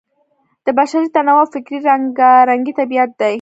د بشري تنوع او فکري رنګارنګۍ طبیعت دی.